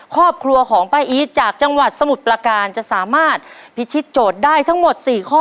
ครอบครัวของป้าอีทจากจังหวัดสมุทรประการจะสามารถพิชิตโจทย์ได้ทั้งหมด๔ข้อ